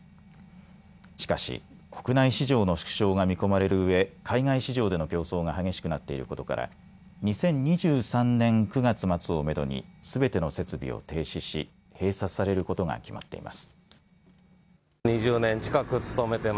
しかし、国内市場の縮小が見込まれるうえ海外市場での競争が激しくなっていることから２０２３年９月末をめどにすべての設備を停止し、閉鎖されることが決まっています。